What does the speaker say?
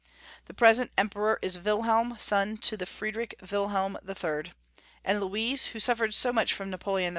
The present Emperor is Wilhelm, son to the Friedrich Wilhehn III. and Louise, who suffered so much from Napo leon I.